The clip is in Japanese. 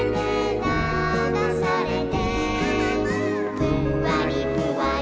「ぷんわりぷわり」